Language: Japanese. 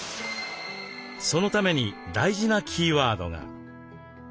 そのために大事なキーワードが。